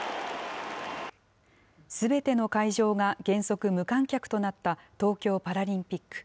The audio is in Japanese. すべての会場が原則無観客となった東京パラリンピック。